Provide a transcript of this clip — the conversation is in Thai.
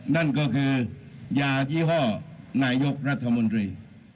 นั่นก็คือยายี่ห้อนายกรัฐมนตรี